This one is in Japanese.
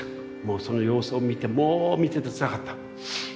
その様子を見てもう見ててつらかった。